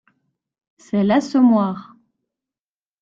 C’est L’Assommoir